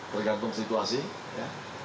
tergantung situasi ya